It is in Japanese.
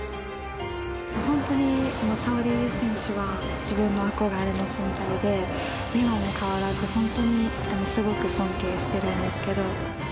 本当に、沙保里選手は自分の憧れの存在で、今も変わらず、本当にすごく尊敬してるんですけど。